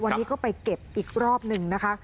วันนี้ก็ไปเก็บอีกรอบหนึ่งนะคะ